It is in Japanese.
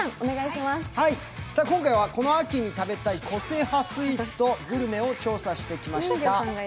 今回はこの秋に食べたい個性派スイーツとグルメを調査してきました。